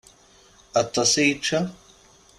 Aṭas i yečča?